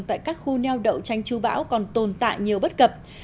tại các khu neo đậu tranh chú bão còn tồn tại nhiều bất cập